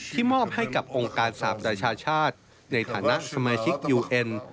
มอบให้กับองค์การสาปราชาชาติในฐานะสมาชิกยูเอ็น